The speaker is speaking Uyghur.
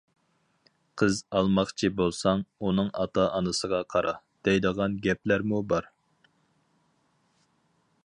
‹ ‹قىز ئالماقچى بولساڭ، ئۇنىڭ ئاتا-ئانىسىغا قارا› › دەيدىغان گەپلەرمۇ بار.